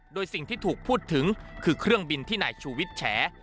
โดยสิ่งที่ถูกพูดถึงคือเครื่องบินที่นายชูวิทย์แฉ